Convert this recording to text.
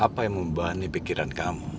apa yang membebani pikiran kamu